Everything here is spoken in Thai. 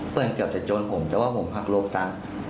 เพื่อนเกือบจะโจรผมแต่ว่าผมหักลบตังค์